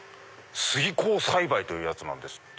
水耕栽培というやつなんですって。